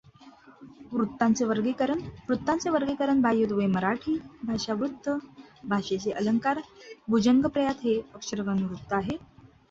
वृत्तांचे वर्गीकरण वृत्तांचे वर्गीकरण बाह्य दुवे मराठी भाषा वृत्त भाषेचे अलंकारभुजंगप्रयात हे अक्षरगणवृत्त आहे.